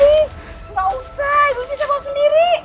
tidak usah ibu bisa bawa sendiri